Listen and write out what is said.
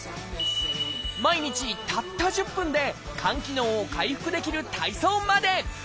毎日たった１０分で肝機能を回復できる体操まで。